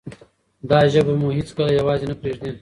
دا ژبه به مو هیڅکله یوازې نه پریږدي.